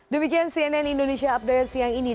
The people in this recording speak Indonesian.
demikian cnn indonesia update siang ini